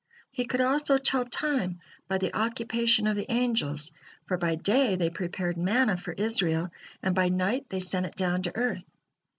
He could also tell time by the occupation of the angels, for by day they prepared manna for Israel, and by night they sent it down to earth.